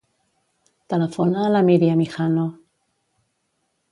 Telefona a la Míriam Hijano.